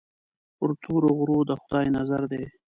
پر تورو غرو د خدای نظر دی.